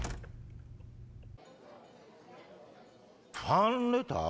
ファンレター？